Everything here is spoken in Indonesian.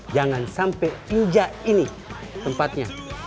jangan sampai injak ini tempatnya